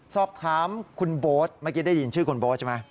สอบถามคุณโบ๊ทเมื่อกี้ได้ยินชื่อคุณโบ๊ทใช่ไหม